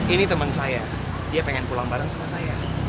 ini teman saya dia pengen pulang bareng sama saya